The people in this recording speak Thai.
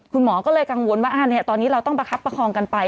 คุณหมอก็เลยกังวลว่าตอนนี้เราต้องประคับประคองกันไป